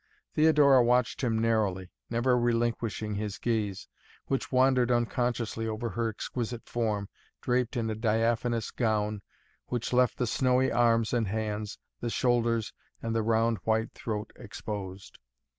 Theodora watched him narrowly, never relinquishing his gaze, which wandered unconsciously over her exquisite form, draped in a diaphanous gown which left the snowy arms and hands, the shoulders and the round white throat exposed.